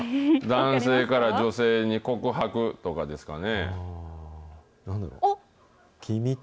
男性から女性に告白とかですおっ。